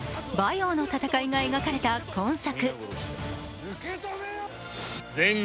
陽の戦いが描かれた今作。